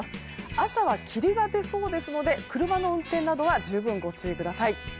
朝は霧が出そうですので車の運転などは十分ご注意ください。